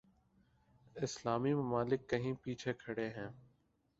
اسلامی ممالک کہیں پیچھے کھڑے ہیں۔